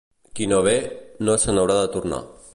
Qui no ve, no se n'haurà de tornar.